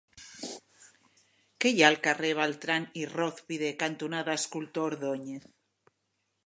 Què hi ha al carrer Beltrán i Rózpide cantonada Escultor Ordóñez?